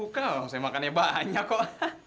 nggak usah makannya banyak kok